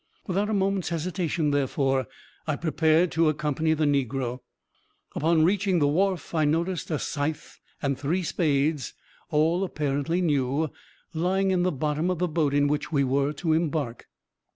Without a moment's hesitation, therefore, I prepared to accompany the negro. Upon reaching the wharf, I noticed a scythe and three spades, all apparently new, lying in the bottom of the boat in which we were to embark.